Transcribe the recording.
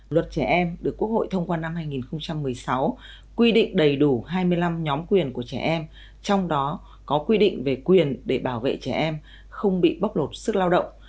luật trẻ em được quốc hội thông qua năm hai nghìn một mươi sáu quy định đầy đủ hai mươi năm nhóm quyền của trẻ em trong đó có quy định về quyền để bảo vệ trẻ em không bị bóc lột sức lao động